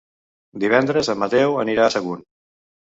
Divendres en Mateu anirà a Sagunt.